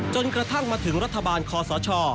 กระทั่งมาถึงรัฐบาลคอสช